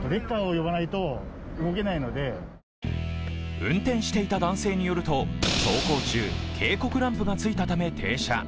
運転していた男性によると走行中、警告ランプがついたため停車。